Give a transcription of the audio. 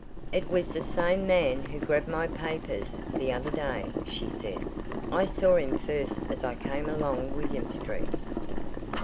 "It was the same man who grabbed my papers the other day," she said. "I saw him first as I came along William street.